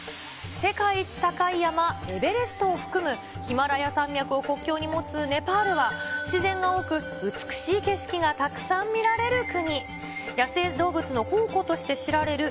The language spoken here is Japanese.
世界一高い山、エベレストを含むヒマラヤ山脈を国境に持つネパールは、自然が多く美しい景色がたくさん見られる国。